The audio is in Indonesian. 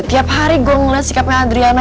tiap hari gue ngeliat sikapnya adriana